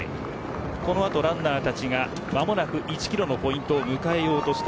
この後ランナーたちが間もなく１キロのポイントを迎えます。